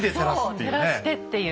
そう照らしてっていう。